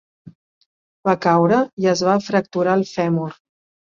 Va caure i es va fracturar el fèmur.